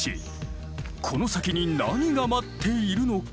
この先に何が待っているのか。